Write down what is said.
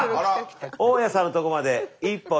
大家さんのとこまで１歩２歩。